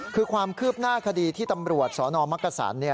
คือความคืบหน้าคดีที่ตำรวจสนมักกษัน